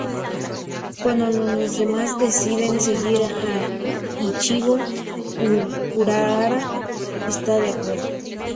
Cuando los demás deciden seguir a Ichigo, Urahara está de acuerdo.